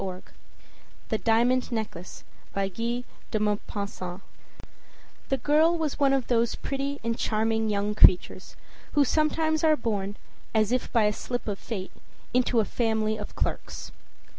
â THE DIAMOND NECKLACE The girl was one of those pretty and charming young creatures who sometimes are born, as if by a slip of fate, into a family of clerks.